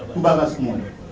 kepada semua orang